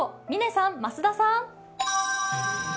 嶺さん、増田さん。